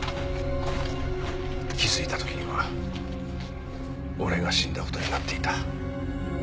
気づいた時には俺が死んだ事になっていた。